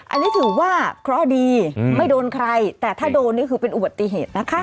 อันนี้ถือว่าเคราะห์ดีไม่โดนใครแต่ถ้าโดนนี่คือเป็นอุบัติเหตุนะคะ